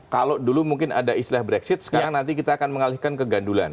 kalau dulu mungkin ada istilah brexit sekarang nanti kita akan mengalihkan ke gandulan